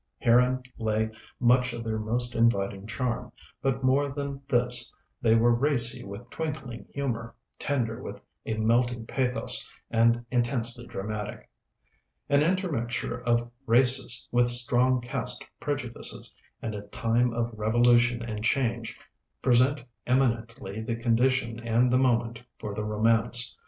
Herein lay much of their most inviting charm; but more than this, they were racy with twinkling humor, tender with a melting pathos, and intensely dramatic. An intermixture of races with strong caste prejudices, and a time of revolution and change, present eminently the condition and the moment for the romance.